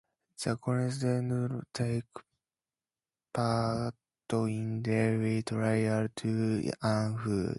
The contestants take part in daily trials to earn food.